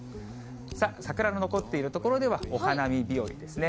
桜の残っている所ではお花見日和ですね。